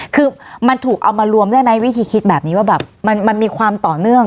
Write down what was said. คือมันถูกเอามารวมได้ไหมวิธีคิดแบบนี้ว่าแบบมันมีความต่อเนื่อง